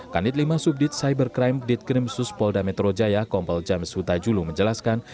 kanit lima subdit cybercrime didkrim sus polda metro jaya kompel james huta julu menjelaskan